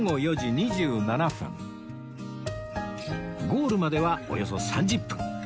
ゴールまではおよそ３０分